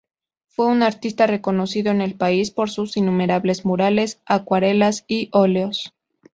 Fue un artista reconocido en el país por sus innumerables murales, acuarelas y óleos.